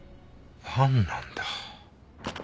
ファンなんだ。